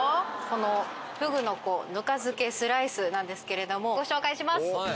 このふぐの子ぬか漬スライスなんですけれどもご紹介します。